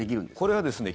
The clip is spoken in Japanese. これはですね